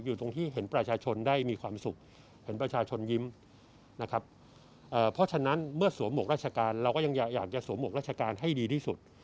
อยู่ตรงที่เห็นประชาชนได้มีความสุขเห็นประชาชนยิ้มนะครับเพราะฉะนั้นเมื่อสวมหวกราชการเราก็ยังอยากจะสวมหวกราชการให้ดีที่สุด